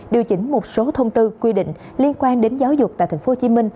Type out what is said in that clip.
điều chỉnh một số thông tư quy định liên quan đến giáo dục tại tp hcm